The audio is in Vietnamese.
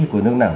của nước nào